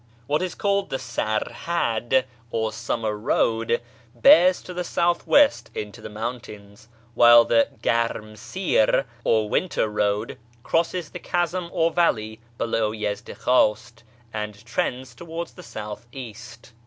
What is called the sar hadd, or summer road, bears to the south west into the mountains ; while the garmsir, or winter road, crosses the chasm or valley below Yezdikhwast, and trends towards the south east.